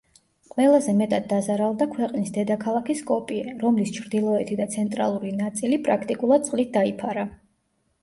ყველაზე მეტად დაზარალდა ქვეყნის დედაქალაქი სკოპიე, რომლის ჩრდილოეთი და ცენტრალური ნაწილი პრაქტიკულად წყლით დაიფარა.